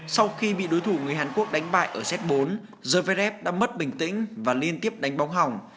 sau khi bị đối thủ người hàn quốc đánh bại ở z bốn vev đã mất bình tĩnh và liên tiếp đánh bóng hỏng